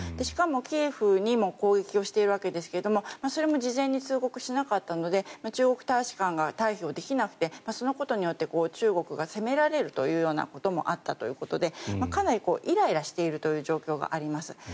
しかもキエフにも攻撃をしているわけですがそれも事前に通告しなかったので中国大使館が退避をできなくてそのことによって中国が責められることもあったということでかなりイライラしているという状況があります。